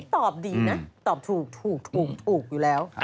ตอบดีนะตอบถูกถูกอยู่แล้ว